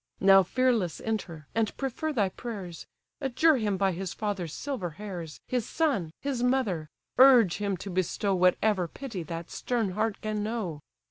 Now fearless enter, and prefer thy prayers; Adjure him by his father's silver hairs, His son, his mother! urge him to bestow Whatever pity that stern heart can know."